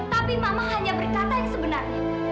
tapi mama hanya berkata yang sebenarnya